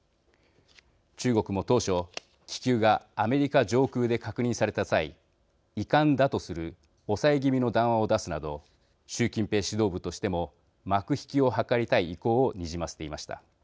中国も当初、気球がアメリカ上空で確認された際「遺憾」だとする抑え気味の談話を出すなど習近平指導部としても幕引きを図りたい意向をにじませていました。